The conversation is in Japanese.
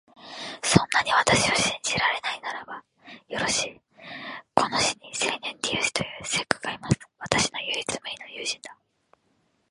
そんなに私を信じられないならば、よろしい、この市にセリヌンティウスという石工がいます。私の無二の友人だ。